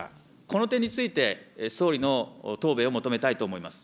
この点について総理の答弁を求めたいと思います。